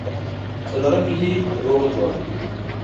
څلورم ملي روغه جوړه.